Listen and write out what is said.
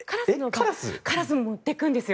カラスも持っていくんですよ。